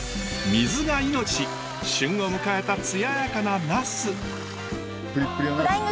旬を迎えた艶やかなナス。